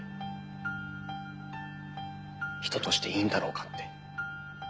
人としていいんだろうかって。